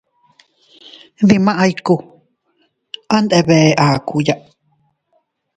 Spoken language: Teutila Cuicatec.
Dimay kuu a ndebe akuya.